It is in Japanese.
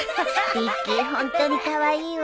ビッキーホントにカワイイわ。